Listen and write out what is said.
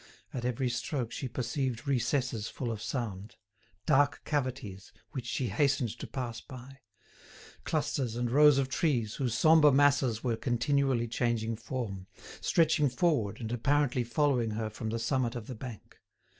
At every stroke she perceived recesses full of sound; dark cavities which she hastened to pass by; clusters and rows of trees, whose sombre masses were continually changing form, stretching forward and apparently following her from the summit of the bank.